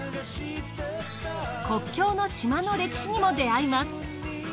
国境の島の歴史にも出会います。